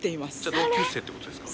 同級生って事ですか？